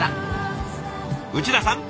内田さん